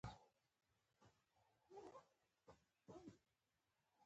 د فرانسوي پوځیانو له ماتې وروسته محمد علي واک ته ورسېد.